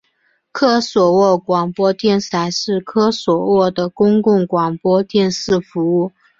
科索沃广播电视台是科索沃的公共广播电视服务。